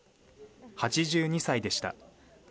８２歳でした。